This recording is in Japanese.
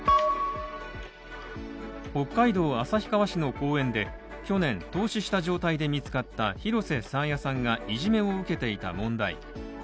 北海道旭川市の公園で去年凍死した状態で見つかった廣瀬爽彩さんがいじめを受けていた問題。